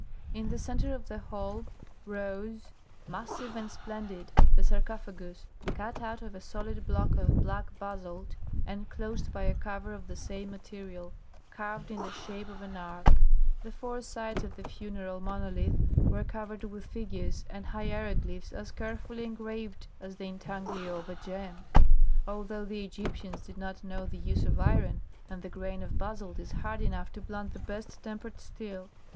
In the centre of the hall rose, massive and splendid, the sarcophagus, cut out of a solid block of black basalt and closed by a cover of the same material, carved in the shape of an arch. The four sides of the funeral monolith were covered with figures and hieroglyphs as carefully engraved as the intaglio of a gem, although the Egyptians did not know the use of iron, and the grain of basalt is hard enough to blunt the best tempered steel.